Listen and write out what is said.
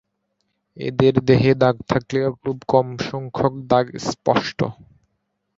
এদের দেহে দাগ থাকলেও খুব কমসংখ্যক দাগ স্পষ্ট।